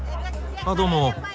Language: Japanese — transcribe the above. あどうも。